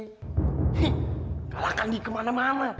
hih kalahkan di kemana mana